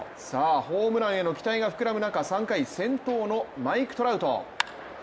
ホームランへの期待が膨らむ中３回、先頭のマイク・トラウト。